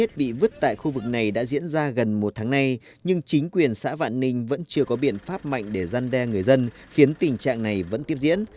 tình trạng này đã diễn ra gần một tháng nay nhưng chính quyền xã vạn ninh vẫn chưa có biện pháp mạnh để gian đe người dân khiến tình trạng này vẫn tiếp diễn